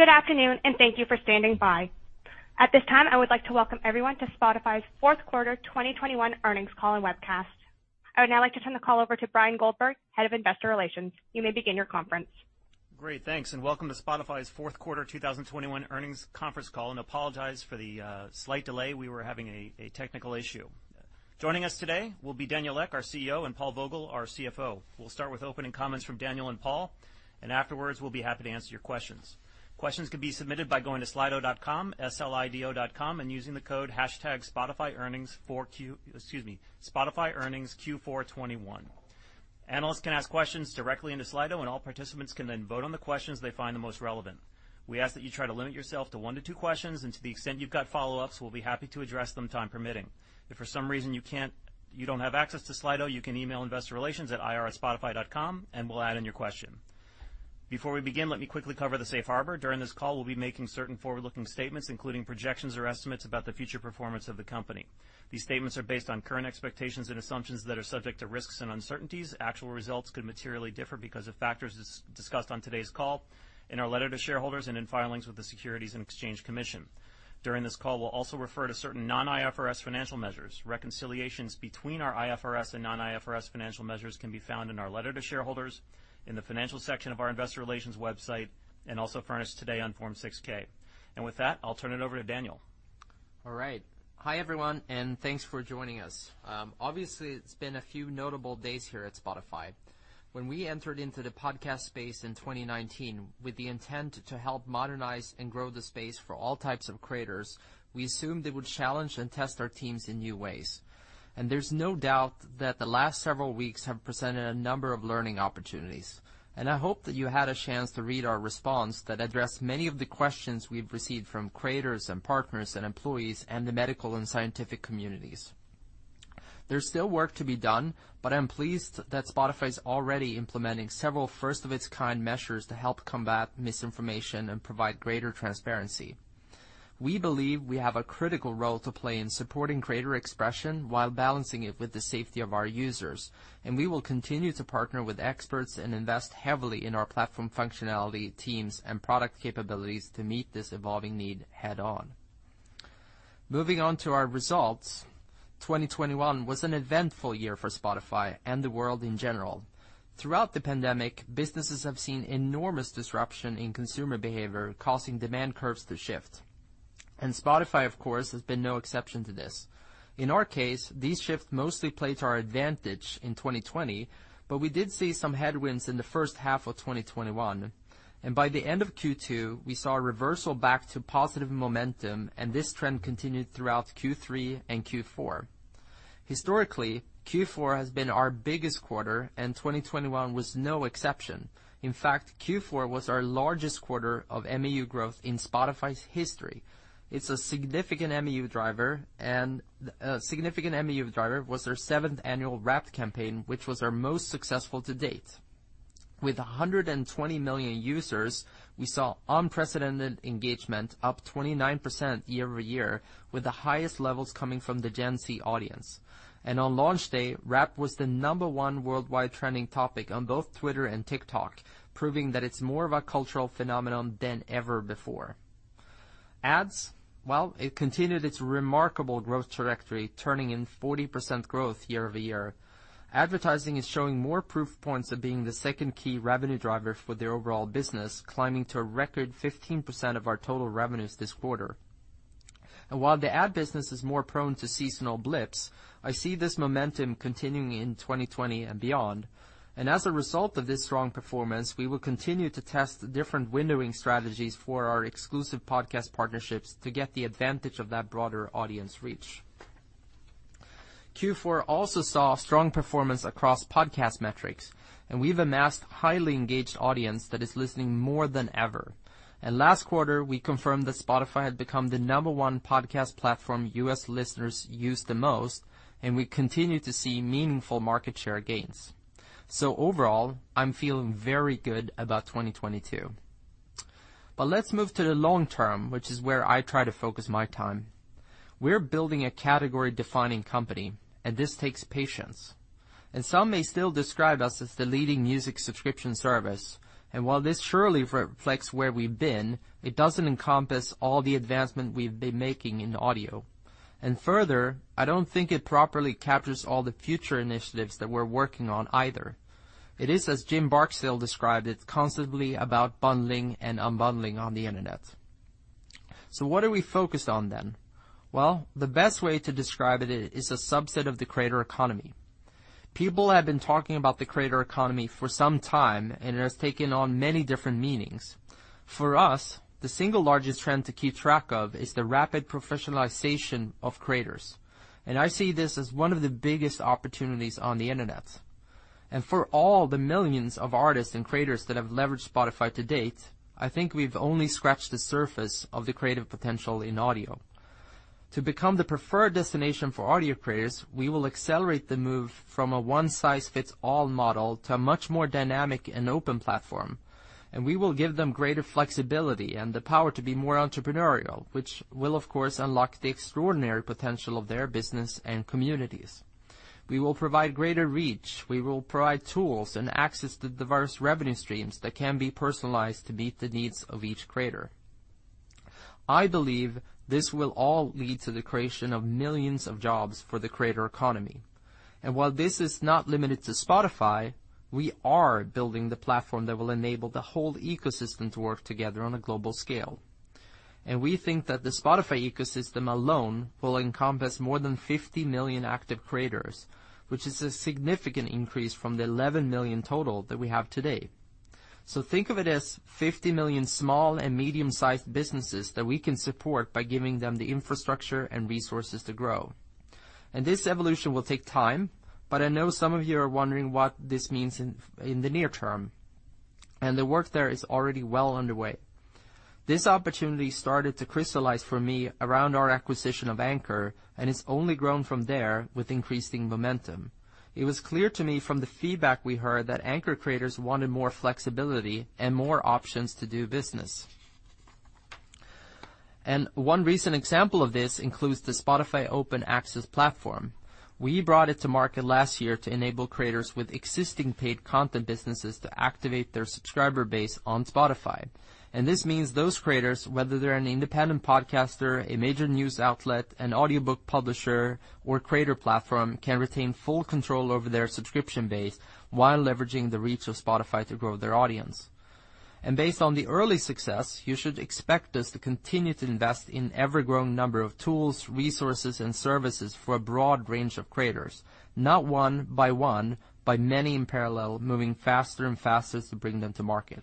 Good afternoon, and thank you for standing by. At this time, I would like to welcome everyone to Spotify's fourth quarter 2021 earnings call and webcast. I would now like to turn the call over to Bryan Goldberg, Head of Investor Relations. You may begin your conference. Great, thanks, and welcome to Spotify's fourth quarter 2021 earnings conference call. Apologize for the slight delay. We were having a technical issue. Joining us today will be Daniel Ek, our CEO, and Paul Vogel, our CFO. We'll start with opening comments from Daniel and Paul, and afterwards, we'll be happy to answer your questions. Questions can be submitted by going to slido.com and using the code hashtag Spotify Earnings Q421. Analysts can ask questions directly into Slido, and all participants can then vote on the questions they find the most relevant. We ask that you try to limit yourself to one to two questions. To the extent you've got follow-ups, we'll be happy to address them, time permitting. If for some reason you don't have access to Slido, you can email investor relations at ir.spotify.com, and we'll add in your question. Before we begin, let me quickly cover the safe harbor. During this call, we'll be making certain forward-looking statements, including projections or estimates about the future performance of the company. These statements are based on current expectations and assumptions that are subject to risks and uncertainties. Actual results could materially differ because of factors as discussed on today's call, in our letter to shareholders, and in filings with the Securities and Exchange Commission. During this call, we'll also refer to certain non-IFRS financial measures. Reconciliations between our IFRS and non-IFRS financial measures can be found in our letter to shareholders, in the financial section of our investor relations website, and also furnished today on Form 6-K. With that, I'll turn it over to Daniel. All right. Hi, everyone, and thanks for joining us. Obviously, it's been a few notable days here at Spotify. When we entered into the podcast space in 2019 with the intent to help modernize and grow the space for all types of creators, we assumed it would challenge and test our teams in new ways. There's no doubt that the last several weeks have presented a number of learning opportunities. I hope that you had a chance to read our response that addressed many of the questions we've received from creators and partners and employees and the medical and scientific communities. There's still work to be done, but I'm pleased that Spotify is already implementing several first-of-its-kind measures to help combat misinformation and provide greater transparency. We believe we have a critical role to play in supporting creator expression while balancing it with the safety of our users. We will continue to partner with experts and invest heavily in our platform functionality, teams, and product capabilities to meet this evolving need head-on. Moving on to our results. 2021 was an eventful year for Spotify and the world in general. Throughout the pandemic, businesses have seen enormous disruption in consumer behavior, causing demand curves to shift. Spotify, of course, has been no exception to this. In our case, these shifts mostly played to our advantage in 2020, but we did see some headwinds in the first half of 2021. By the end of Q2, we saw a reversal back to positive momentum, and this trend continued throughout Q3 and Q4. Historically, Q4 has been our biggest quarter, and 2021 was no exception. In fact, Q4 was our largest quarter of MAU growth in Spotify's history. It's a significant MAU driver. A significant MAU driver was our seventh annual Wrapped campaign, which was our most successful to date. With 120 million users, we saw unprecedented engagement, up 29% year-over-year, with the highest levels coming from the Gen Z audience. On launch day, Wrapped was the number one worldwide trending topic on both Twitter and TikTok, proving that it's more of a cultural phenomenon than ever before. Ads. Well, it continued its remarkable growth trajectory, turning in 40% growth year-over-year. Advertising is showing more proof points of being the second key revenue driver for the overall business, climbing to a record 15% of our total revenues this quarter. While the ad business is more prone to seasonal blips, I see this momentum continuing in 2020 and beyond. As a result of this strong performance, we will continue to test different windowing strategies for our exclusive podcast partnerships to get the advantage of that broader audience reach. Q4 also saw strong performance across podcast metrics, and we've amassed a highly engaged audience that is listening more than ever. Last quarter, we confirmed that Spotify had become the number one podcast platform U.S. listeners use the most, and we continue to see meaningful market share gains. Overall, I'm feeling very good about 2022. Let's move to the long term, which is where I try to focus my time. We're building a category-defining company, and this takes patience. Some may still describe us as the leading music subscription service. While this surely reflects where we've been, it doesn't encompass all the advancement we've been making in audio. Further, I don't think it properly captures all the future initiatives that we're working on either. It is, as Jim Barksdale described it, constantly about bundling and unbundling on the Internet. What are we focused on then? Well, the best way to describe it is a subset of the creator economy. People have been talking about the creator economy for some time, and it has taken on many different meanings. For us, the single largest trend to keep track of is the rapid professionalization of creators. I see this as one of the biggest opportunities on the Internet. For all the millions of artists and creators that have leveraged Spotify to date, I think we've only scratched the surface of the creative potential in audio. To become the preferred destination for audio creators, we will accelerate the move from a one-size-fits-all model to a much more dynamic and open platform. We will give them greater flexibility and the power to be more entrepreneurial, which will, of course, unlock the extraordinary potential of their business and communities. We will provide greater reach. We will provide tools and access to diverse revenue streams that can be personalized to meet the needs of each creator. I believe this will all lead to the creation of millions of jobs for the creator economy. While this is not limited to Spotify, we are building the platform that will enable the whole ecosystem to work together on a global scale. We think that the Spotify ecosystem alone will encompass more than 50 million active creators, which is a significant increase from the 11 million total that we have today. Think of it as 50 million small and medium-sized businesses that we can support by giving them the infrastructure and resources to grow. This evolution will take time, but I know some of you are wondering what this means in the near term. The work there is already well underway. This opportunity started to crystallize for me around our acquisition of Anchor, and it's only grown from there with increasing momentum. It was clear to me from the feedback we heard that Anchor creators wanted more flexibility and more options to do business. One recent example of this includes the Spotify Open Access platform. We brought it to market last year to enable creators with existing paid content businesses to activate their subscriber base on Spotify. This means those creators, whether they're an independent podcaster, a major news outlet, an audiobook publisher, or creator platform, can retain full control over their subscription base while leveraging the reach of Spotify to grow their audience. Based on the early success, you should expect us to continue to invest in ever-growing number of tools, resources, and services for a broad range of creators. Not one-by-one, by many in parallel, moving faster and faster to bring them to market.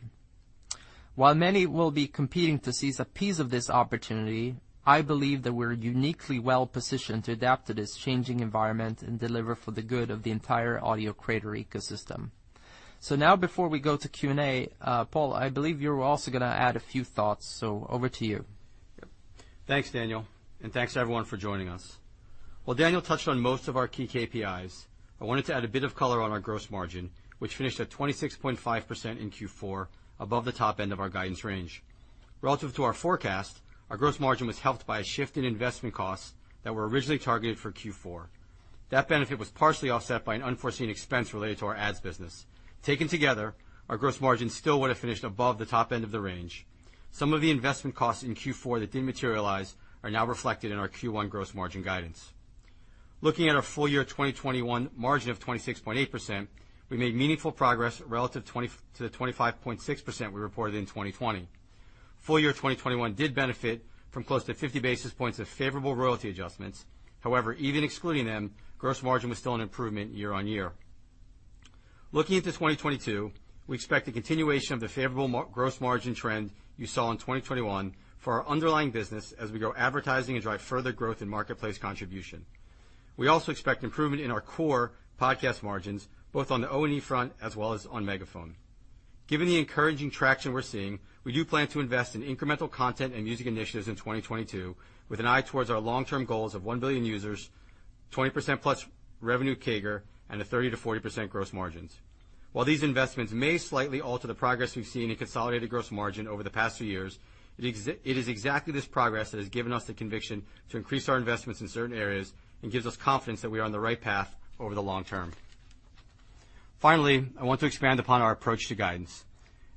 While many will be competing to seize a piece of this opportunity, I believe that we're uniquely well-positioned to adapt to this changing environment and deliver for the good of the entire audio creator ecosystem. Now before we go to Q&A, Paul, I believe you're also going to add a few thoughts. Over to you. Thanks, Daniel, and thanks everyone for joining us. While Daniel touched on most of our key KPIs, I wanted to add a bit of color on our gross margin, which finished at 26.5% in Q4, above the top end of our guidance range. Relative to our forecast, our gross margin was helped by a shift in investment costs that were originally targeted for Q4. That benefit was partially offset by an unforeseen expense related to our ads business. Taken together, our gross margin still would have finished above the top end of the range. Some of the investment costs in Q4 that didn't materialize are now reflected in our Q1 gross margin guidance. Looking at our full-year 2021 margin of 26.8%, we made meaningful progress relative to the 25.6% we reported in 2020. Full-year 2021 did benefit from close to 50 basis points of favorable royalty adjustments. However, even excluding them, gross margin was still an improvement year-over-year. Looking into 2022, we expect a continuation of the favorable gross margin trend you saw in 2021 for our underlying business as we grow advertising and drive further growth in Marketplace contribution. We also expect improvement in our core podcast margins, both on the O&E front as well as on Megaphone. Given the encouraging traction we're seeing, we do plan to invest in incremental content and music initiatives in 2022 with an eye towards our long-term goals of one billion users, 20%+ revenue CAGR, and 30%-40% gross margins. While these investments may slightly alter the progress we've seen in consolidated gross margin over the past few years, it is exactly this progress that has given us the conviction to increase our investments in certain areas and gives us confidence that we are on the right path over the long term. Finally, I want to expand upon our approach to guidance.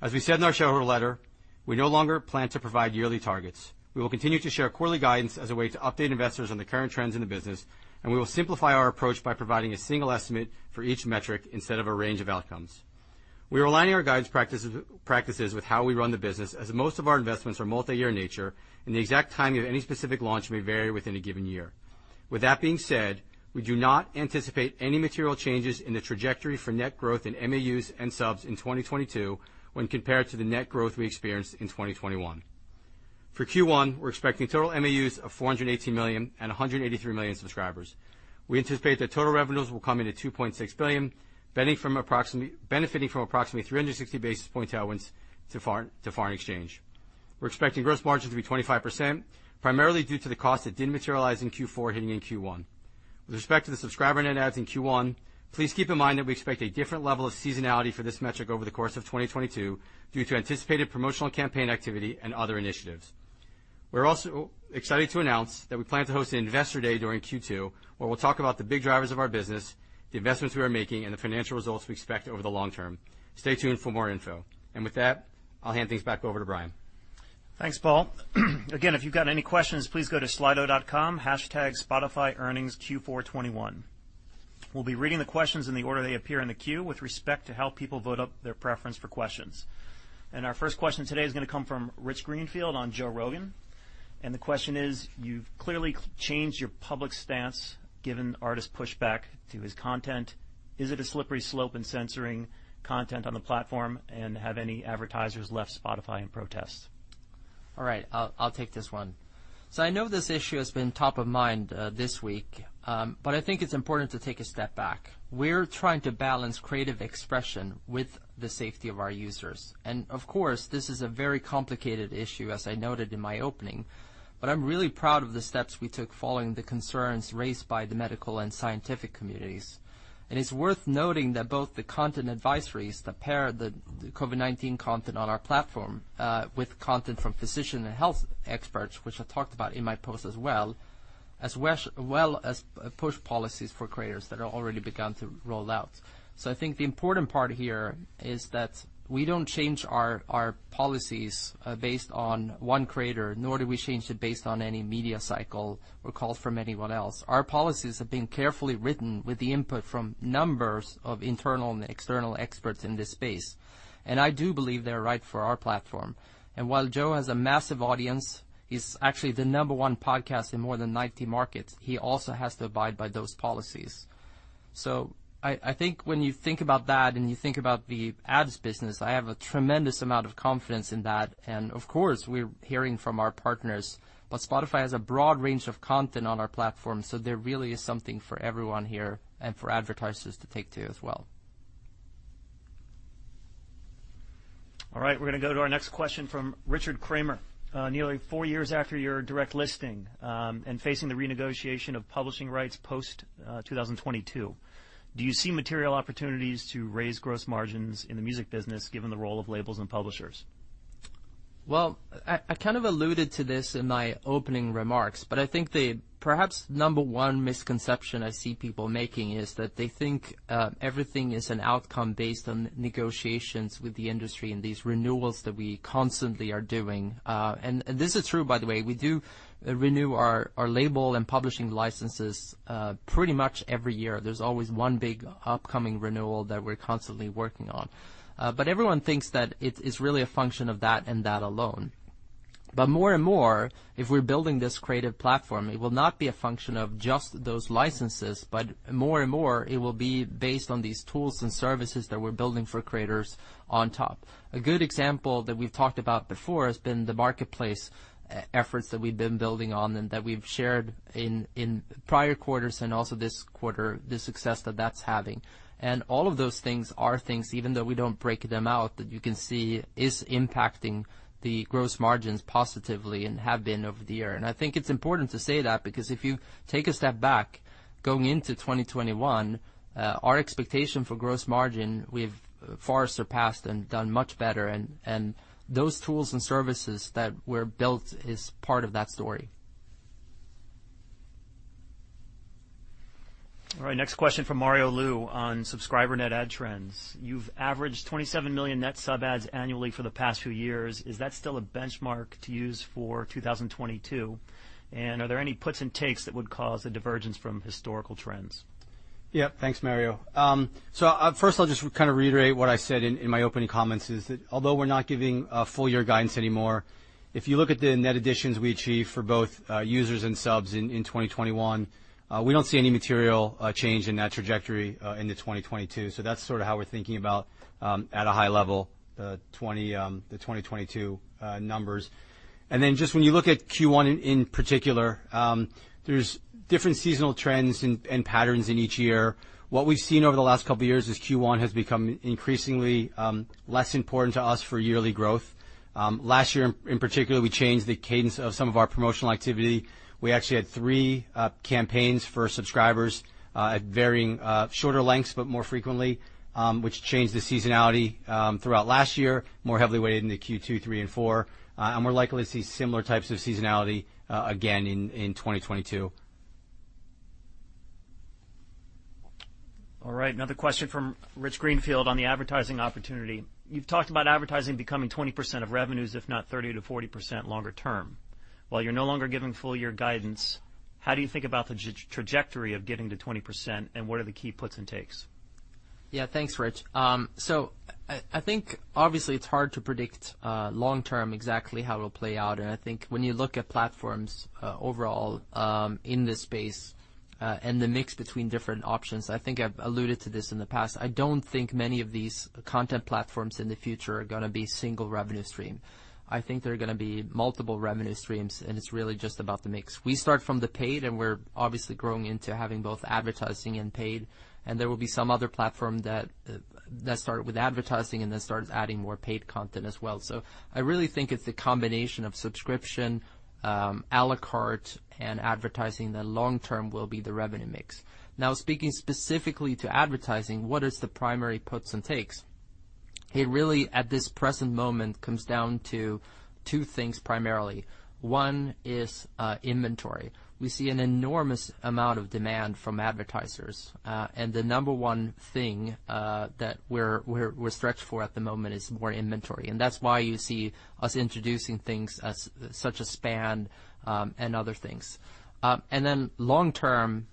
As we said in our shareholder letter, we no longer plan to provide yearly targets. We will continue to share quarterly guidance as a way to update investors on the current trends in the business, and we will simplify our approach by providing a single estimate for each metric instead of a range of outcomes. We are aligning our guidance practices with how we run the business, as most of our investments are multi-year in nature, and the exact timing of any specific launch may vary within a given year. With that being said, we do not anticipate any material changes in the trajectory for net growth in MAUs and subs in 2022 when compared to the net growth we experienced in 2021. For Q1, we're expecting total MAUs of 418 million and 183 million subscribers. We anticipate that total revenues will come in at 2.6 billion, benefiting from approximately 360 basis point tailwinds to foreign exchange. We're expecting gross margin to be 25%, primarily due to the cost that didn't materialize in Q4 hitting in Q1. With respect to the subscriber net adds in Q1, please keep in mind that we expect a different level of seasonality for this metric over the course of 2022 due to anticipated promotional campaign activity and other initiatives. We're also excited to announce that we plan to host an investor day during Q2, where we'll talk about the big drivers of our business, the investments we are making, and the financial results we expect over the long term. Stay tuned for more info. With that, I'll hand things back over to Bryan. Thanks, Paul. Again, if you've got any questions, please go to slido.com #SpotifyEarningsQ421. We'll be reading the questions in the order they appear in the queue with respect to how people vote up their preference for questions. Our first question today is going to come from Rich Greenfield on Joe Rogan. The question is: You've clearly changed your public stance given artist pushback to his content. Is it a slippery slope in censoring content on the platform? And have any advertisers left Spotify in protest? All right. I'll take this one. I know this issue has been top of mind this week. I think it's important to take a step back. We're trying to balance creative expression with the safety of our users. Of course, this is a very complicated issue, as I noted in my opening. I'm really proud of the steps we took following the concerns raised by the medical and scientific communities. It's worth noting that both the content advisories that pair the COVID-19 content on our platform with content from physician and health experts, which I talked about in my post as well. As well as push policies for creators that are already begun to roll out. I think the important part here is that we don't change our policies based on one creator, nor do we change it based on any media cycle or calls from anyone else. Our policies have been carefully written with the input from numerous internal and external experts in this space. I do believe they're right for our platform. While Joe has a massive audience, he's actually the number one podcast in more than 90 markets, he also has to abide by those policies. I think when you think about that and you think about the ads business, I have a tremendous amount of confidence in that. Of course, we're hearing from our partners. Spotify has a broad range of content on our platform, so there really is something for everyone here and for advertisers to take too, as well. All right, we're gonna go to our next question from Richard Kramer. Nearly four years after your direct listing, and facing the renegotiation of publishing rights post 2022, do you see material opportunities to raise gross margins in the music business given the role of labels and publishers? Well, I kind of alluded to this in my opening remarks, but I think the perhaps number one misconception I see people making is that they think everything is an outcome based on negotiations with the industry and these renewals that we constantly are doing. This is true, by the way, we do renew our label and publishing licenses pretty much every year. There's always one big upcoming renewal that we're constantly working on. Everyone thinks that it is really a function of that, and that alone. More and more, if we're building this creative platform, it will not be a function of just those licenses, but more and more, it will be based on these tools and services that we're building for creators on top. A good example that we've talked about before has been the Marketplace efforts that we've been building on and that we've shared in prior quarters, and also this quarter, the success that that's having. All of those things are things, even though we don't break them out, that you can see is impacting the gross margins positively and have been over the year. I think it's important to say that because if you take a step back, going into 2021, our expectation for gross margin, we've far surpassed and done much better. Those tools and services that were built is part of that story. All right, next question from Mario Lu on subscriber net ad trends. You've averaged 27 million net sub adds annually for the past few years. Is that still a benchmark to use for 2022? Are there any puts and takes that would cause a divergence from historical trends? Yeah. Thanks, Mario. So, first I'll just kind of reiterate what I said in my opening comments, is that although we're not giving full-year guidance anymore, if you look at the net additions we achieve for both users and subs in 2021, we don't see any material change in that trajectory into 2022. That's sort of how we're thinking about, at a high level, the 2022 numbers. Just when you look at Q1 in particular, there's different seasonal trends and patterns in each year. What we've seen over the last couple of years is Q1 has become increasingly less important to us for yearly growth. Last year in particular, we changed the cadence of some of our promotional activity. We actually had three campaigns for subscribers at varying shorter lengths, but more frequently, which changed the seasonality throughout last year, more heavily weighted into Q2, Q3, and Q4. We're likely to see similar types of seasonality again in 2022. All right, another question from Rich Greenfield on the advertising opportunity. You've talked about advertising becoming 20% of revenues, if not 30%-40% longer term. While you're no longer giving full-year guidance, how do you think about the trajectory of getting to 20%, and what are the key puts and takes? Yeah, thanks, Rich. I think obviously it's hard to predict long term exactly how it'll play out. I think when you look at platforms overall in this space and the mix between different options, I think I've alluded to this in the past, I don't think many of these content platforms in the future are gonna be single revenue stream. I think they're gonna be multiple revenue streams, and it's really just about the mix. We start from the paid, and we're obviously growing into having both advertising and paid, and there will be some other platform that start with advertising and then starts adding more paid content as well. I really think it's a combination of subscription à la carte and advertising that long term will be the revenue mix. Now, speaking specifically to advertising, what is the primary puts and takes? It really, at this present moment, comes down to two things primarily. One is inventory. We see an enormous amount of demand from advertisers. And the number one thing that we're stretched for at the moment is more inventory. That's why you see us introducing things such as Span and other things. Long term,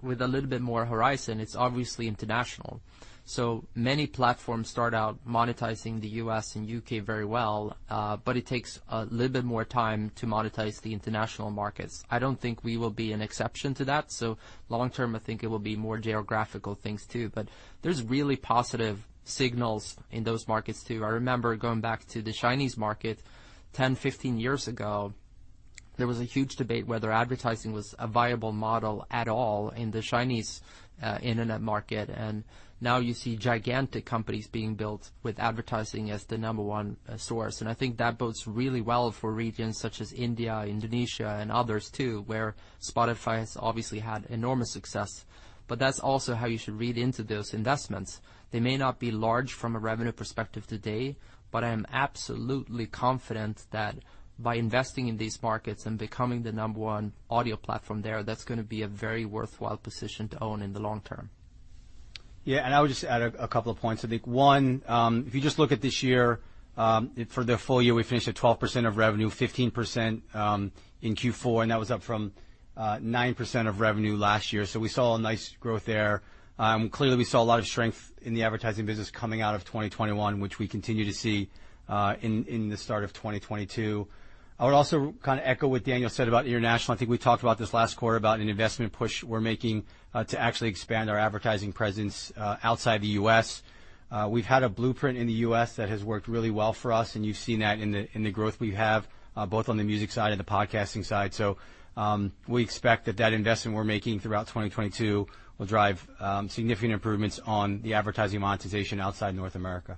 with a little bit more horizon, it's obviously international. Many platforms start out monetizing the U.S. and U.K. very well, but it takes a little bit more time to monetize the international markets. I don't think we will be an exception to that. Long term, I think it will be more geographical things too. There's really positive signals in those markets too. I remember going back to the Chinese market 10, 15 years ago, there was a huge debate whether advertising was a viable model at all in the Chinese internet market. Now you see gigantic companies being built with advertising as the number one source. I think that bodes really well for regions such as India, Indonesia, and others too, where Spotify has obviously had enormous success. That's also how you should read into those investments. They may not be large from a revenue perspective today, but I am absolutely confident that by investing in these markets and becoming the number one audio platform there, that's gonna be a very worthwhile position to own in the long term. Yeah, I would just add a couple of points. I think, one, if you just look at this year, for the full-year, we finished at 12% of revenue, 15%, in Q4, and that was up from, 9% of revenue last year. We saw a nice growth there. Clearly, we saw a lot of strength in the advertising business coming out of 2021, which we continue to see, in the start of 2022. I would also kinda echo what Daniel said about international. I think we talked about this last quarter about an investment push we're making, to actually expand our advertising presence, outside the U.S. We've had a blueprint in the U.S. that has worked really well for us, and you've seen that in the growth we have, both on the music side and the podcasting side. We expect that investment we're making throughout 2022 will drive significant improvements on the advertising monetization outside North America.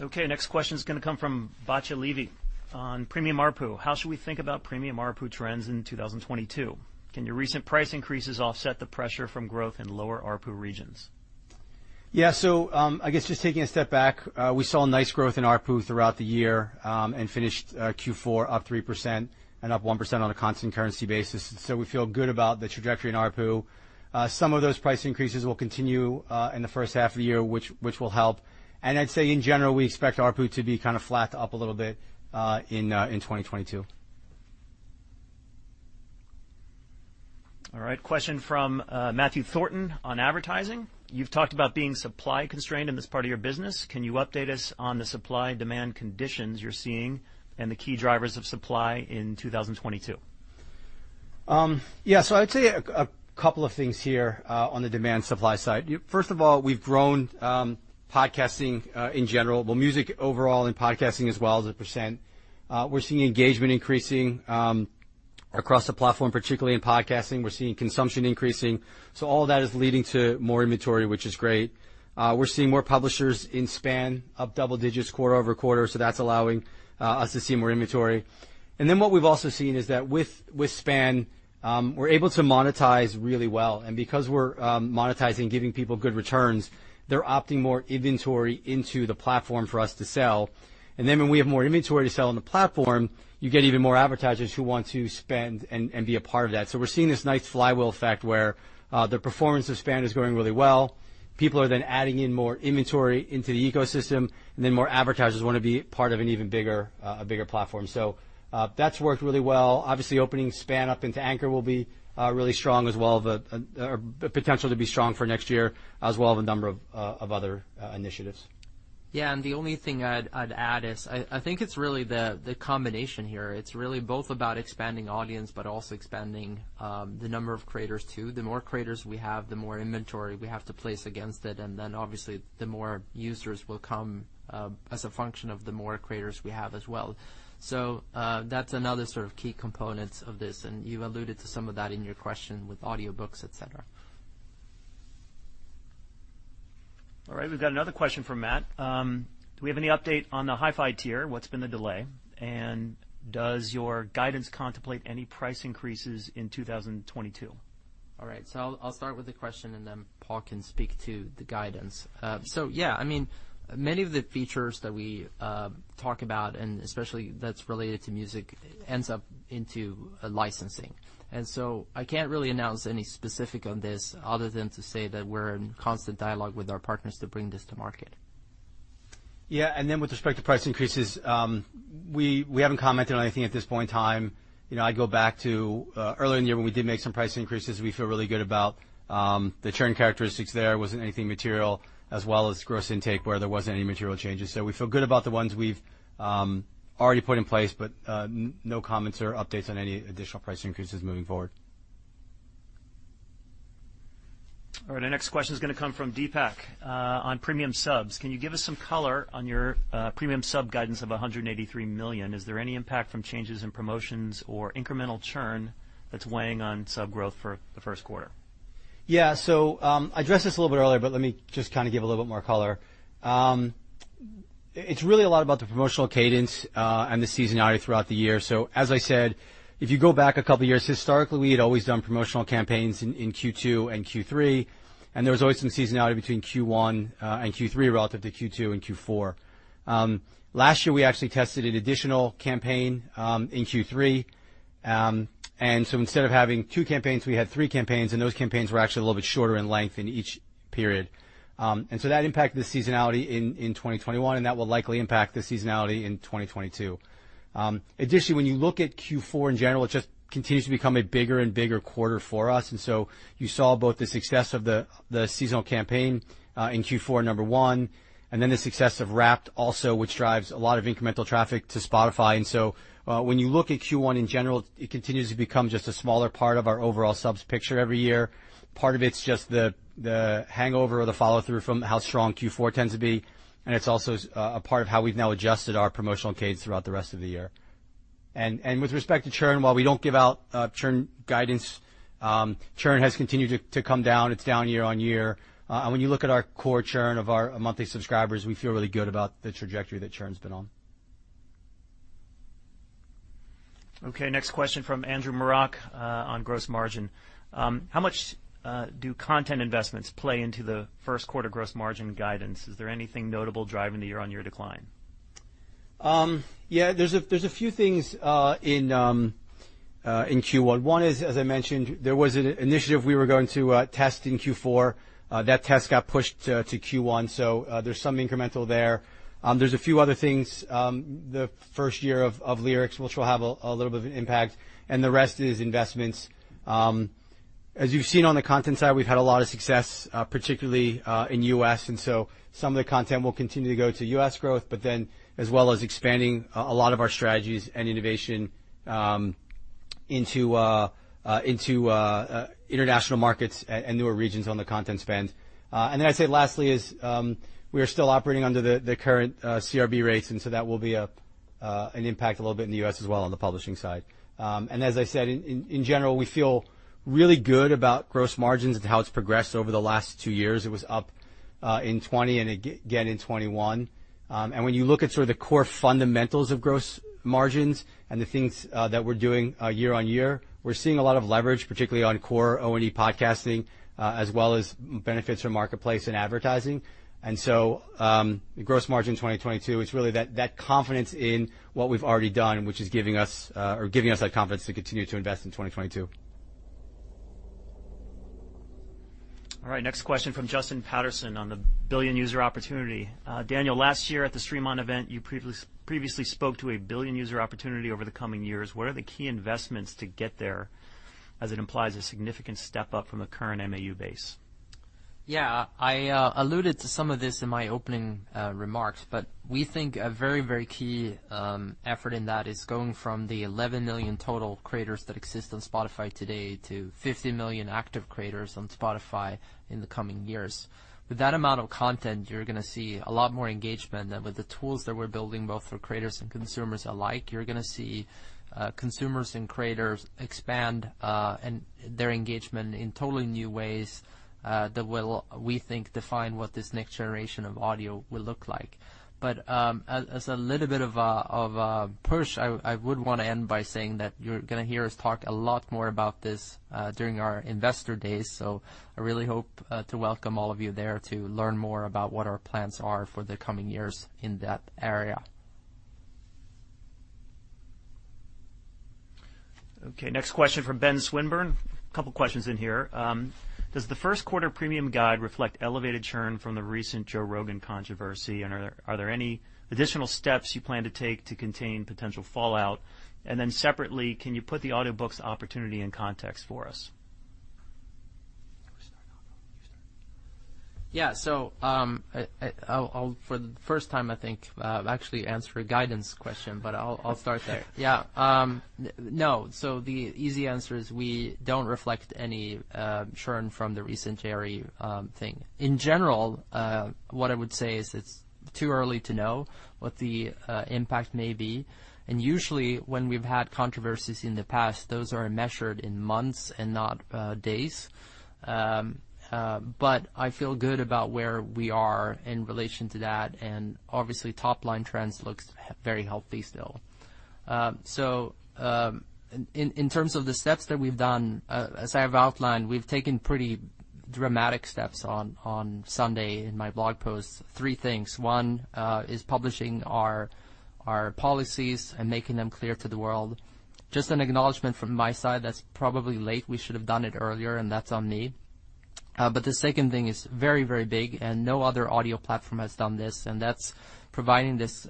Okay. Next question is gonna come from Batya Levy. On Premium ARPU, how should we think about Premium ARPU trends in 2022? Can your recent price increases offset the pressure from growth in lower ARPU regions? Yeah. I guess just taking a step back, we saw a nice growth in ARPU throughout the year, and finished Q4 up 3% and up 1% on a constant currency basis. We feel good about the trajectory in ARPU. Some of those price increases will continue in the first half of the year, which will help. I'd say, in general, we expect ARPU to be kinda flat to up a little bit in 2022. All right. Question from Matthew Thornton on advertising. You've talked about being supply-constrained in this part of your business. Can you update us on the supply-demand conditions you're seeing and the key drivers of supply in 2022? I'd say a couple of things here on the demand-supply side. First of all, we've grown podcasting in general. Well, music overall and podcasting as well as a percent. We're seeing engagement increasing across the platform, particularly in podcasting. We're seeing consumption increasing. All that is leading to more inventory, which is great. We're seeing more publishers in SPAN up double digits quarter-over-quarter, so that's allowing us to see more inventory. Then what we've also seen is that with SPAN, we're able to monetize really well. Because we're monetizing, giving people good returns, they're opting more inventory into the platform for us to sell. Then when we have more inventory to sell on the platform, you get even more advertisers who want to spend and be a part of that. We're seeing this nice flywheel effect, where the performance of SPAN is growing really well. People are then adding in more inventory into the ecosystem, and then more advertisers wanna be part of an even bigger platform. That's worked really well. Obviously, opening SPAN up into Anchor will be really strong as well or potential to be strong for next year, as well as a number of other initiatives. Yeah. The only thing I'd add is I think it's really the combination here. It's really both about expanding audience, but also expanding the number of creators too. The more creators we have, the more inventory we have to place against it, and then obviously, the more users will come as a function of the more creators we have as well. That's another sort of key component of this, and you've alluded to some of that in your question with audiobooks, et cetera. All right. We've got another question from Matt. Do we have any update on the HiFi tier? What's been the delay? Does your guidance contemplate any price increases in 2022? All right. I'll start with the question, and then Paul can speak to the guidance. Yeah, I mean, many of the features that we talk about, and especially that's related to music, ends up into a licensing. I can't really announce any specific on this other than to say that we're in constant dialogue with our partners to bring this to market. Yeah. With respect to price increases, we haven't commented on anything at this point in time. You know, I go back to earlier in the year when we did make some price increases. We feel really good about the churn characteristics there. It wasn't anything material as well as gross intake where there wasn't any material changes. We feel good about the ones we've already put in place, but no comments or updates on any additional price increases moving forward. All right. Our next question's gonna come from Deepak. On Premium subs, can you give us some color on your Premium sub guidance of 183 million? Is there any impact from changes in promotions or incremental churn that's weighing on sub growth for the first quarter? I addressed this a little bit earlier, but let me just kinda give a little bit more color. It's really a lot about the promotional cadence, and the seasonality throughout the year. As I said, if you go back a couple years, historically, we had always done promotional campaigns in Q2 and Q3, and there was always some seasonality between Q1 and Q3 relative to Q2 and Q4. Last year, we actually tested an additional campaign in Q3. Instead of having two campaigns, we had three campaigns, and those campaigns were actually a little bit shorter in length in each period. That impacted the seasonality in 2021, and that will likely impact the seasonality in 2022. Additionally, when you look at Q4 in general, it just continues to become a bigger and bigger quarter for us. You saw both the success of the seasonal campaign in Q4, number one, and then the success of Wrapped also, which drives a lot of incremental traffic to Spotify. When you look at Q1 in general, it continues to become just a smaller part of our overall subs picture every year. Part of it's just the hangover or the follow-through from how strong Q4 tends to be, and it's also a part of how we've now adjusted our promotional cadence throughout the rest of the year. With respect to churn, while we don't give out churn guidance, churn has continued to come down. It's down year-over-year. When you look at our core churn of our monthly subscribers, we feel really good about the trajectory that churn's been on. Okay. Next question from Andrew Marok on gross margin. How much do content investments play into the first quarter gross margin guidance? Is there anything notable driving the year-on-year decline? Yeah, there's a few things in Q1. One is, as I mentioned, there was an initiative we were going to test in Q4. That test got pushed to Q1, so there's some incremental there. There's a few other things, the first year of Lyrics, which will have a little bit of impact, and the rest is investments. As you've seen on the content side, we've had a lot of success, particularly in U.S. Some of the content will continue to go to U.S. growth, but then as well as expanding a lot of our strategies and innovation into international markets and newer regions on the content spend. I'd say lastly is, we are still operating under the current CRB rates, and so that will be an impact a little bit in the U.S. as well on the publishing side. As I said, in general, we feel really good about gross margins and how it's progressed over the last two years. It was up in 2020 and again in 2021. When you look at sort of the core fundamentals of gross margins and the things that we're doing year-over-year, we're seeing a lot of leverage, particularly on core O&E podcasting, as well as benefits from Marketplace and advertising. Gross margin in 2022, it's really that confidence in what we've already done, which is giving us that confidence to continue to invest in 2022. All right, next question from Justin Patterson on the billion user opportunity. Daniel, last year at the Stream On event, you previously spoke to a billion user opportunity over the coming years. What are the key investments to get there, as it implies a significant step up from the current MAU base? Yeah. I alluded to some of this in my opening remarks, but we think a very, very key effort in that is going from the 11 million total creators that exist on Spotify today to 50 million active creators on Spotify in the coming years. With that amount of content, you're gonna see a lot more engagement. With the tools that we're building both for creators and consumers alike, you're gonna see consumers and creators expand and their engagement in totally new ways that will, we think, define what this next generation of audio will look like. As a little bit of a push, I would wanna end by saying that you're gonna hear us talk a lot more about this during our investor days. I really hope to welcome all of you there to learn more about what our plans are for the coming years in that area. Okay. Next question from Benjamin Swinburne. A couple questions in here. Does the first quarter premium guide reflect elevated churn from the recent Joe Rogan controversy? Are there any additional steps you plan to take to contain potential fallout? Separately, can you put the audiobooks opportunity in context for us? You start off or you start? Yeah. I'll for the first time, I think, actually answer a guidance question, but I'll start there. Yeah. No. The easy answer is we don't reflect any churn from the recent Joe Rogan thing. In general, what I would say is it's too early to know what the impact may be. Usually when we've had controversies in the past, those are measured in months and not days. I feel good about where we are in relation to that. Obviously, top-line trends looks very healthy still. In terms of the steps that we've done, as I have outlined, we've taken pretty dramatic steps on Sunday in my blog post, three things. One is publishing our policies and making them clear to the world. Just an acknowledgement from my side that's probably late. We should have done it earlier, and that's on me. The second thing is very big, and no other audio platform has done this, and that's providing this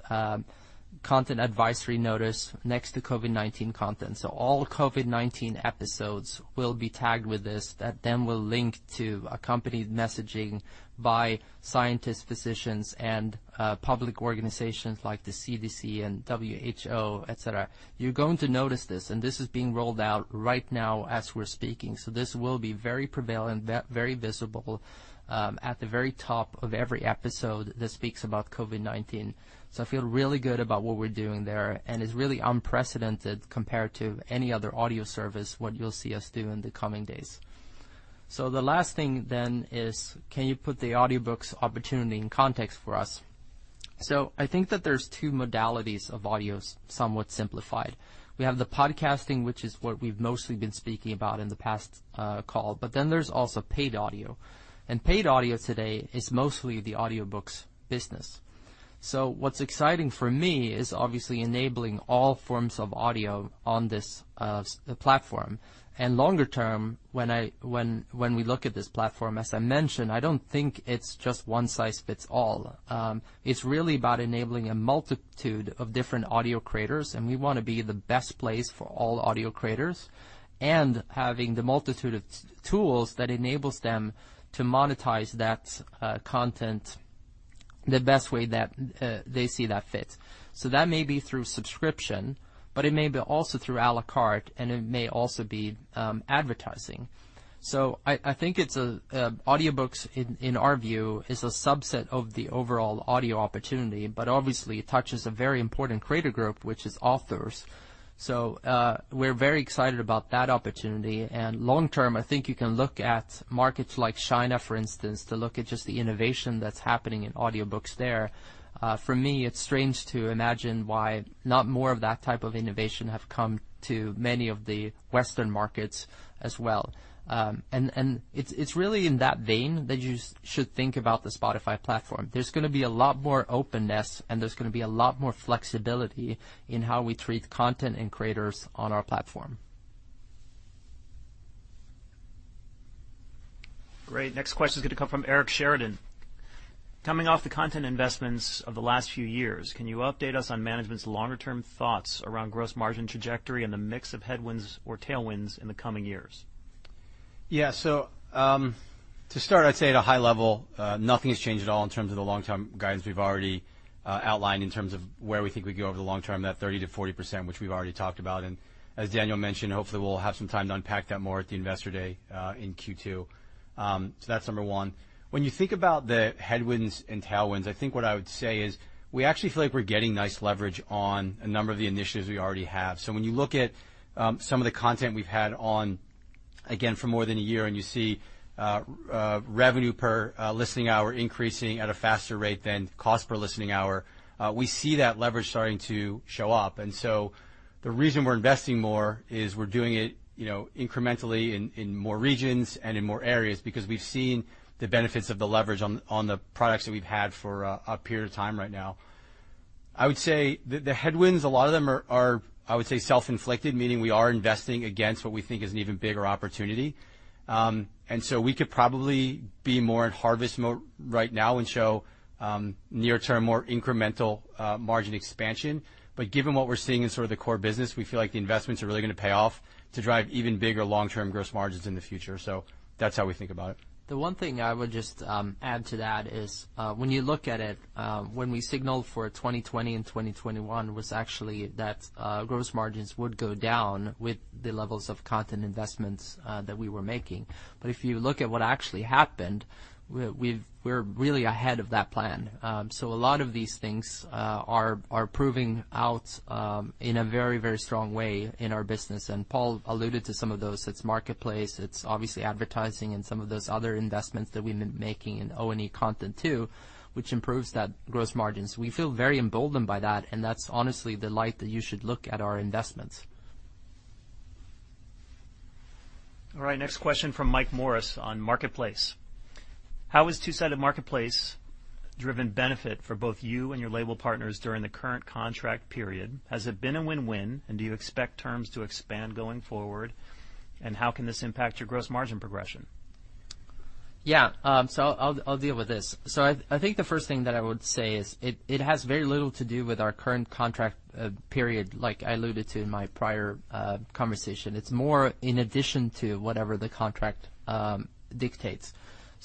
content advisory notice next to COVID-19 content. All COVID-19 episodes will be tagged with this, that then will link to accompanied messaging by scientists, physicians, and public organizations like the CDC and WHO, et cetera. You're going to notice this, and this is being rolled out right now as we're speaking. This will be very prevalent, very visible at the very top of every episode that speaks about COVID-19. I feel really good about what we're doing there, and it's really unprecedented compared to any other audio service. What you'll see us do in the coming days. The last thing then is, can you put the audiobooks opportunity in context for us? I think that there's two modalities of audio, somewhat simplified. We have the podcasting, which is what we've mostly been speaking about in the past call, but then there's also paid audio. Paid audio today is mostly the audiobooks business. What's exciting for me is obviously enabling all forms of audio on this platform. Longer term, when we look at this platform, as I mentioned, I don't think it's just one-size-fits-all. It's really about enabling a multitude of different audio creators, and we wanna be the best place for all audio creators, and having the multitude of tools that enables them to monetize that content the best way that they see fit. That may be through subscription, but it may be also through à la carte, and it may also be advertising. I think audiobooks in our view is a subset of the overall audio opportunity, but obviously touches a very important creator group, which is authors. We're very excited about that opportunity. Long term, I think you can look at markets like China, for instance, to look at just the innovation that's happening in audiobooks there. For me, it's strange to imagine why not more of that type of innovation have come to many of the Western markets as well. It's really in that vein that you should think about the Spotify platform. There's gonna be a lot more openness, and there's gonna be a lot more flexibility in how we treat content and creators on our platform. Great. Next question is going to come from Eric Sheridan. Coming off the content investments of the last few years, can you update us on management's longer-term thoughts around gross margin trajectory and the mix of headwinds or tailwinds in the coming years? To start, I'd say at a high level, nothing has changed at all in terms of the long-term guidance we've already outlined in terms of where we think we go over the long term, that 30%-40%, which we've already talked about. As Daniel mentioned, hopefully we'll have some time to unpack that more at the Investor Day in Q2. That's number one. When you think about the headwinds and tailwinds, I think what I would say is we actually feel like we're getting nice leverage on a number of the initiatives we already have. When you look at some of the content we've had on, again, for more than a year, and you see revenue per listening hour increasing at a faster rate than cost per listening hour, we see that leverage starting to show up. The reason we're investing more is we're doing it, you know, incrementally in more regions and in more areas because we've seen the benefits of the leverage on the products that we've had for a period of time right now. I would say the headwinds, a lot of them are self-inflicted, meaning we are investing against what we think is an even bigger opportunity. We could probably be more in harvest mode right now and show near term, more incremental margin expansion. Given what we're seeing in sort of the core business, we feel like the investments are really gonna pay off to drive even bigger long-term gross margins in the future. That's how we think about it. The one thing I would just add to that is when you look at it when we signaled for 2020 and 2021 was actually that gross margins would go down with the levels of content investments that we were making. If you look at what actually happened, we're really ahead of that plan. A lot of these things are proving out in a very very strong way in our business. Paul alluded to some of those. It's Marketplace, it's obviously advertising and some of those other investments that we've been making in O&E content too, which improves that gross margins. We feel very emboldened by that, and that's honestly the light that you should look at our investments. All right. Next question from Michael Morris on Marketplace. How has two-sided Marketplace driven benefits for both you and your label partners during the current contract period? Has it been a win-win, and do you expect terms to expand going forward? How can this impact your gross margin progression? Yeah. I'll deal with this. I think the first thing that I would say is it has very little to do with our current contract period like I alluded to in my prior conversation. It's more in addition to whatever the contract dictates.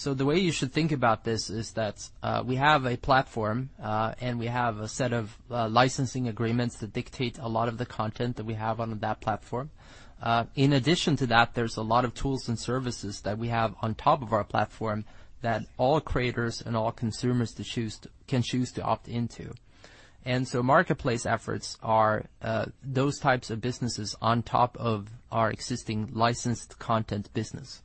The way you should think about this is that we have a platform and we have a set of licensing agreements that dictate a lot of the content that we have on that platform. In addition to that, there's a lot of tools and services that we have on top of our platform that all creators and all consumers can choose to opt into. Marketplace efforts are those types of businesses on top of our existing licensed content business.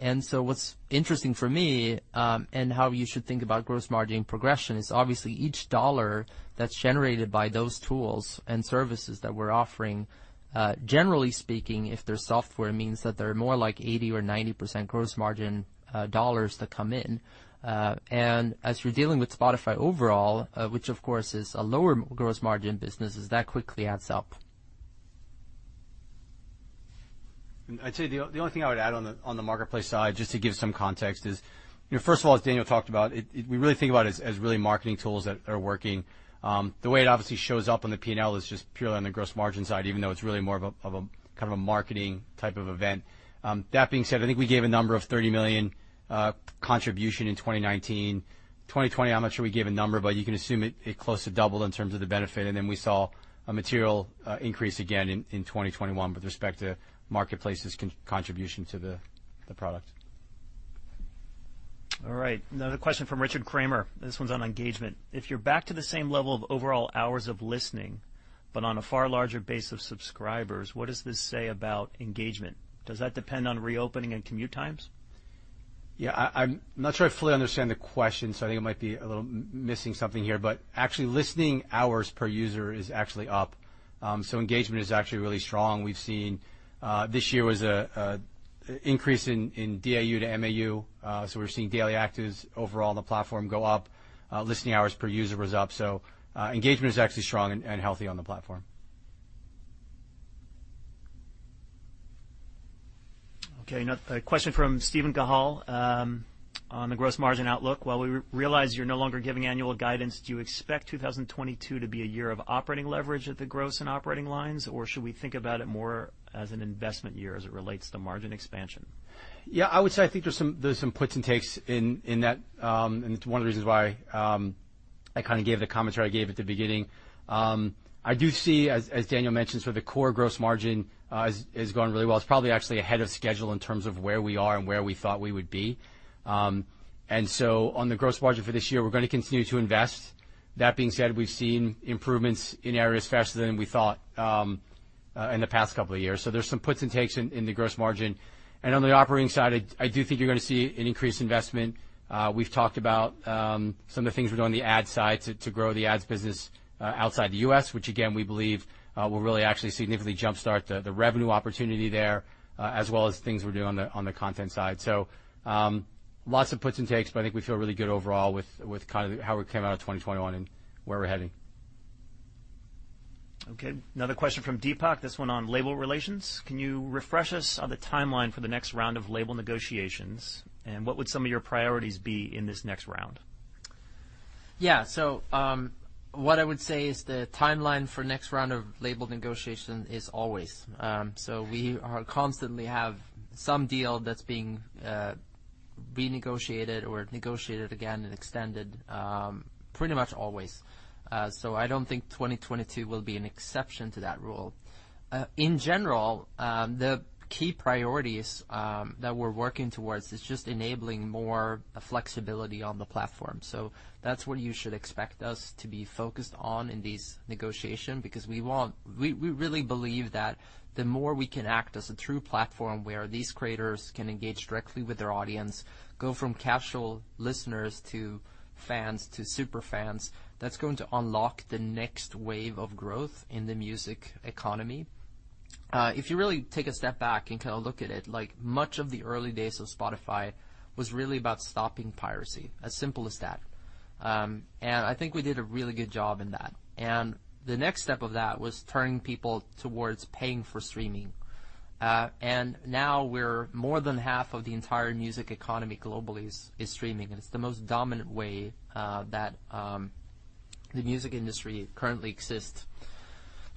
What's interesting for me, and how you should think about gross margin progression is obviously each dollar that's generated by those tools and services that we're offering, generally speaking, if they're software, it means that they're more like 80% or 90% gross margin dollars that come in. As you're dealing with Spotify overall, which of course is a lower gross margin business, that quickly adds up. I'd say the only thing I would add on the Marketplace side, just to give some context is, you know, first of all, as Daniel talked about, it, we really think about it as really marketing tools that are working. The way it obviously shows up on the P&L is just purely on the gross margin side, even though it's really more of a kind of a marketing type of event. That being said, I think we gave a number of 30 million contribution in 2019. 2020, I'm not sure we gave a number, but you can assume it close to doubled in terms of the benefit. Then we saw a material increase again in 2021 with respect to Marketplace's contribution to the product. All right, another question from Richard Kramer. This one's on engagement. If you're back to the same level of overall hours of listening, but on a far larger base of subscribers, what does this say about engagement? Does that depend on reopening and commute times? Yeah. I'm not sure I fully understand the question, so I think I might be a little missing something here. Actually, listening hours per user is actually up. Engagement is actually really strong. We've seen this year was an increase in DAU to MAU. We're seeing daily actives overall on the platform go up. Listening hours per user was up. Engagement is actually strong and healthy on the platform. Okay. Now a question from Steven Cahall on the gross margin outlook. While we realize you're no longer giving annual guidance, do you expect 2022 to be a year of operating leverage at the gross and operating lines, or should we think about it more as an investment year as it relates to margin expansion? Yeah, I would say I think there's some puts and takes in that, and it's one of the reasons why I kind of gave the commentary I gave at the beginning. I do see as Daniel mentioned, sort of the core gross margin is going really well. It's probably actually ahead of schedule in terms of where we are and where we thought we would be. On the gross margin for this year, we're gonna continue to invest. That being said, we've seen improvements in areas faster than we thought in the past couple of years. There's some puts and takes in the gross margin. On the operating side, I do think you're gonna see an increased investment. We've talked about some of the things we're doing on the ad side to grow the ads business outside the U.S., which again, we believe will really actually significantly jumpstart the revenue opportunity there, as well as things we're doing on the content side. Lots of puts and takes, but I think we feel really good overall with kind of how we came out of 2021 and where we're heading. Okay. Another question from Deepak, this one on label relations. Can you refresh us on the timeline for the next round of label negotiations? What would some of your priorities be in this next round? Yeah. What I would say is the timeline for next round of label negotiation is always. We are constantly have some deal that's being renegotiated or negotiated again and extended pretty much always. I don't think 2022 will be an exception to that rule. In general, the key priorities that we're working towards is just enabling more flexibility on the platform. That's what you should expect us to be focused on in these negotiation, because we really believe that the more we can act as a true platform where these creators can engage directly with their audience, go from casual listeners to fans to super fans, that's going to unlock the next wave of growth in the music economy. If you really take a step back and kinda look at it, like much of the early days of Spotify was really about stopping piracy. As simple as that. I think we did a really good job in that. The next step of that was turning people towards paying for streaming. Now more than half of the entire music economy globally is streaming. It's the most dominant way that the music industry currently exists.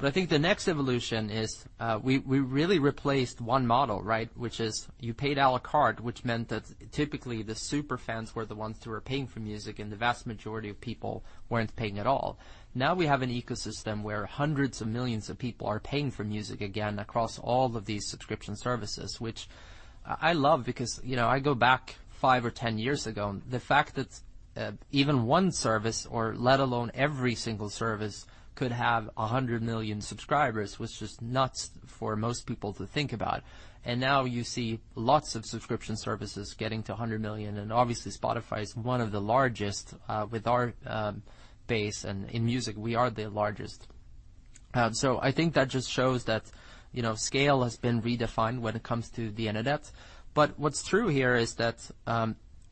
I think the next evolution is we really replaced one model, right, which is you paid à la carte, which meant that typically the super fans were the ones who were paying for music, and the vast majority of people weren't paying at all. Now we have an ecosystem where hundreds of millions of people are paying for music again across all of these subscription services, which I love because, you know, I go back five or 10 years ago, and the fact that even one service or let alone every single service could have 100 million subscribers was just nuts for most people to think about. Now you see lots of subscription services getting to 100 million, and obviously Spotify is one of the largest with our base, and in music, we are the largest. So I think that just shows that, you know, scale has been redefined when it comes to the internet. What's true here is that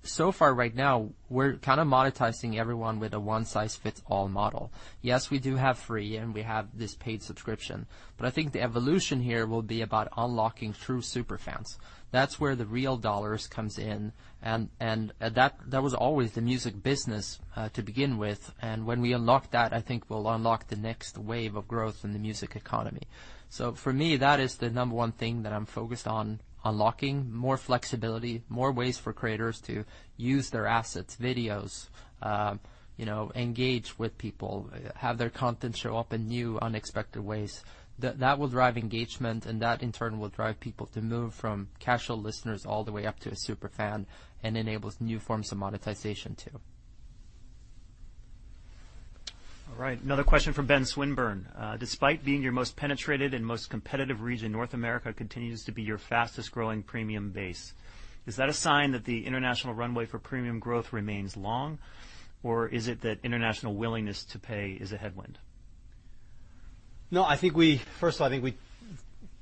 so far right now we're kinda monetizing everyone with a one-size-fits-all model. Yes, we do have free and we have this paid subscription, but I think the evolution here will be about unlocking true super fans. That's where the real dollars comes in, and that was always the music business to begin with. When we unlock that, I think we'll unlock the next wave of growth in the music economy. For me, that is the number one thing that I'm focused on unlocking, more flexibility, more ways for creators to use their assets, videos, you know, engage with people, have their content show up in new, unexpected ways. That will drive engagement, and that, in turn, will drive people to move from casual listeners all the way up to a super fan and enables new forms of monetization too. All right, another question from Benjamin Swinburne. Despite being your most penetrated and most competitive region, North America continues to be your fastest-growing premium base. Is that a sign that the international runway for premium growth remains long, or is it that international willingness to pay is a headwind? No, I think we first of all, I think we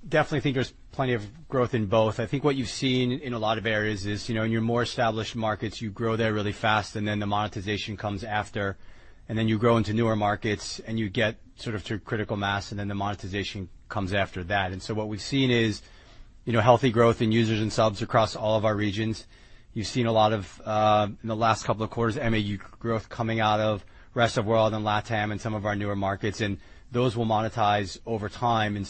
definitely think there's plenty of growth in both. I think what you've seen in a lot of areas is, you know, in your more established markets, you grow there really fast, and then the monetization comes after. You grow into newer markets, and you get sort of to critical mass, and then the monetization comes after that. What we've seen is, you know, healthy growth in users and subs across all of our regions. You've seen a lot of, in the last couple of quarters, MAU growth coming out of rest of world and LatAm and some of our newer markets, and those will monetize over time.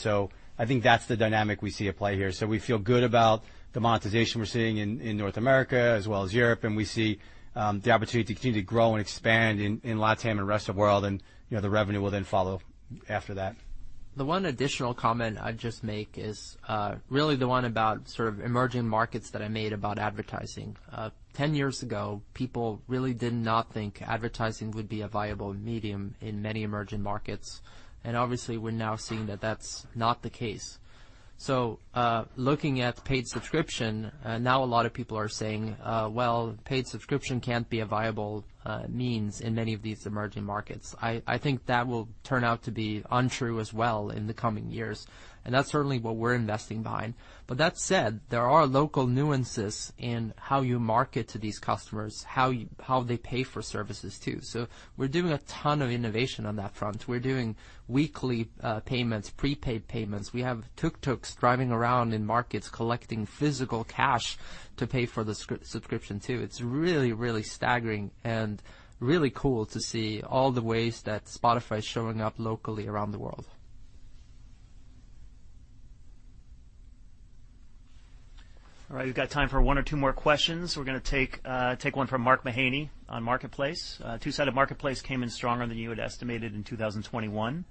I think that's the dynamic we see at play here. We feel good about the monetization we're seeing in North America as well as Europe. We see the opportunity to continue to grow and expand in LatAm and rest of world and, you know, the revenue will then follow after that. The one additional comment I'd just make is really the one about sort of emerging markets that I made about advertising. 10 years ago, people really did not think advertising would be a viable medium in many emerging markets, and obviously, we're now seeing that that's not the case. Looking at paid subscription, now a lot of people are saying, "Well, paid subscription can't be a viable means in many of these emerging markets." I think that will turn out to be untrue as well in the coming years, and that's certainly what we're investing behind. That said, there are local nuances in how you market to these customers, how they pay for services too. We're doing a ton of innovation on that front. We're doing weekly payments, prepaid payments. We have tuk-tuks driving around in markets collecting physical cash to pay for the subscription too. It's really, really staggering and really cool to see all the ways that Spotify is showing up locally around the world. All right. We've got time for one or two more questions. We're gonna take one from Mark Mahaney on Marketplace. Two-sided Marketplace came in stronger than you had estimated in 2021.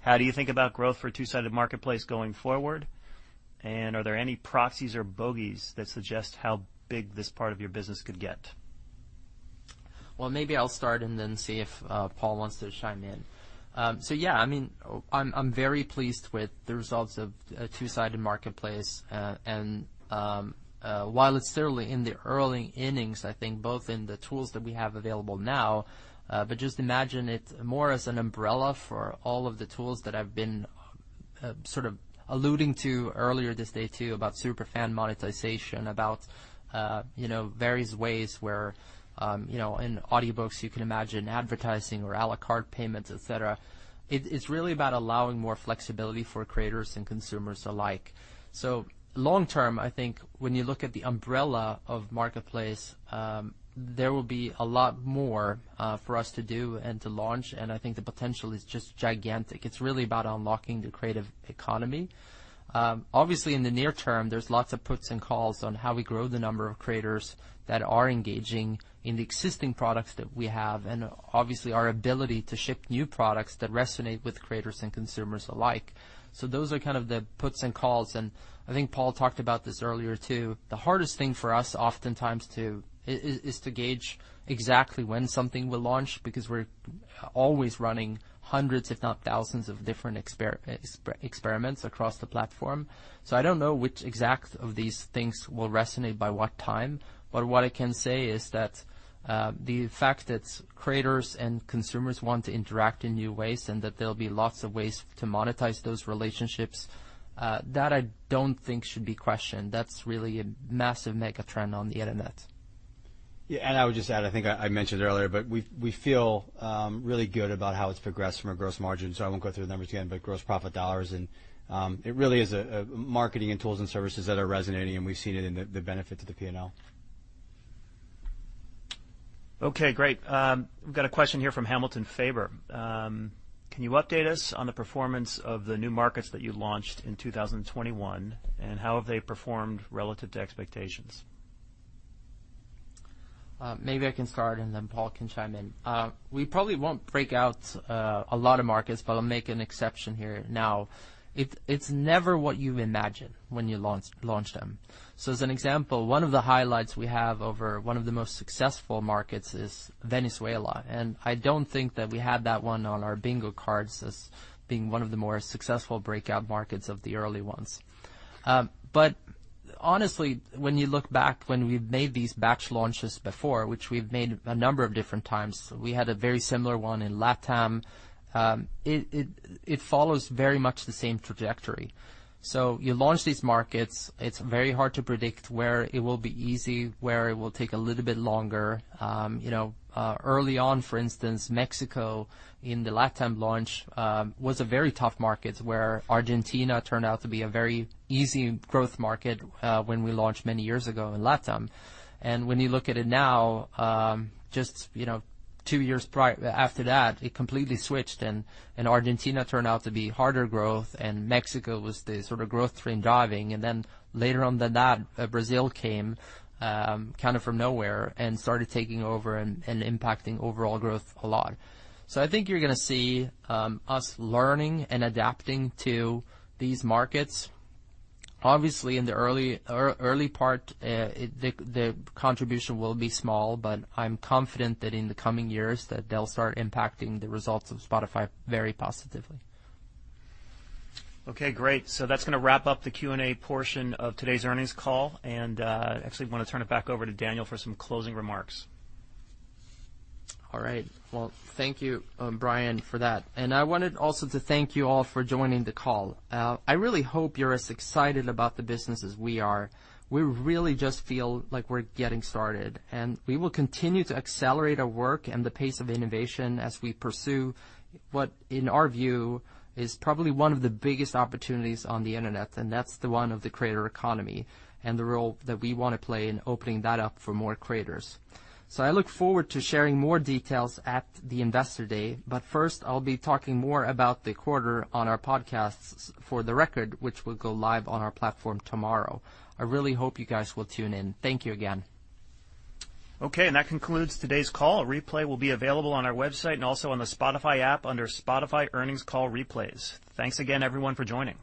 How do you think about growth for two-sided Marketplace going forward? And are there any proxies or bogeys that suggest how big this part of your business could get? Well, maybe I'll start and then see if Paul wants to chime in. Yeah, I mean, I'm very pleased with the results of a two-sided marketplace. While it's certainly in the early innings, I think both in the tools that we have available now, but just imagine it more as an umbrella for all of the tools that I've been sort of alluding to earlier today too, about super fan monetization, about you know, various ways where you know, in audiobooks you can imagine advertising or à la carte payments, et cetera. It's really about allowing more flexibility for creators and consumers alike. Long term, I think when you look at the umbrella of Marketplace, there will be a lot more for us to do and to launch. I think the potential is just gigantic. It's really about unlocking the creative economy. Obviously, in the near term, there's lots of puts and takes on how we grow the number of creators that are engaging in the existing products that we have, and obviously, our ability to ship new products that resonate with creators and consumers alike. Those are kind of the puts and takes, and I think Paul talked about this earlier too. The hardest thing for us oftentimes too is to gauge exactly when something will launch, because we're always running hundreds, if not thousands, of different experiments across the platform. I don't know which exact of these things will resonate by what time. What I can say is that the fact that creators and consumers want to interact in new ways, and that there'll be lots of ways to monetize those relationships, that I don't think should be questioned. That's really a massive mega trend on the internet. Yeah. I would just add, I think I mentioned earlier, but we feel really good about how it's progressed from a gross margin, so I won't go through the numbers again, but gross profit dollars and it really is a marketing and tools and services that are resonating, and we've seen it in the benefit to the P&L. Okay, great. I've got a question here from Hamilton Faber. Can you update us on the performance of the new markets that you launched in 2021, and how have they performed relative to expectations? Maybe I can start, and then Paul can chime in. We probably won't break out a lot of markets, but I'll make an exception here now. It's never what you've imagined when you launch them. As an example, one of the highlights we have over one of the most successful markets is Venezuela, and I don't think that we had that one on our bingo cards as being one of the more successful breakout markets of the early ones. But honestly, when you look back when we've made these batch launches before, which we've made a number of different times, we had a very similar one in LatAm. It follows very much the same trajectory. You launch these markets, it's very hard to predict where it will be easy, where it will take a little bit longer. You know, early on, for instance, Mexico in the LatAm launch was a very tough market, where Argentina turned out to be a very easy growth market when we launched many years ago in LatAm. When you look at it now, just, you know, two years after that, it completely switched and Argentina turned out to be harder growth, and Mexico was the sort of growth train driving. Then later on than that, Brazil came kind of from nowhere and started taking over and impacting overall growth a lot. I think you're gonna see us learning and adapting to these markets. Obviously, in the early part, the contribution will be small, but I'm confident that in the coming years that they'll start impacting the results of Spotify very positively. Okay, great. That's gonna wrap up the Q&A portion of today's earnings call. Actually, I wanna turn it back over to Daniel for some closing remarks. All right. Well, thank you, Bryan, for that. I wanted also to thank you all for joining the call. I really hope you're as excited about the business as we are. We really just feel like we're getting started, and we will continue to accelerate our work and the pace of innovation as we pursue what, in our view, is probably one of the biggest opportunities on the internet, and that's the one of the creator economy and the role that we wanna play in opening that up for more creators. I look forward to sharing more details at the Investor Day. First, I'll be talking more about the quarter on our podcast For the Record, which will go live on our platform tomorrow. I really hope you guys will tune in. Thank you again. Okay. That concludes today's call. A replay will be available on our website and also on the Spotify app under Spotify Earnings Call Replays. Thanks again, everyone, for joining.